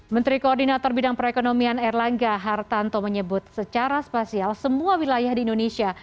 menteri koordinator bidang perekonomian erlangga hartanto menyebut secara spasial semua wilayah di indonesia